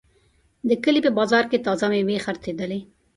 د کلي په بازار کې تازه میوې خرڅېدلې.